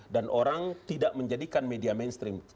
dan orang tidak menjadikan media mainstream